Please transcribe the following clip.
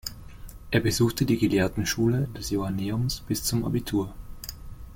Er besuchte die Gelehrtenschule des Johanneums bis zum Abitur.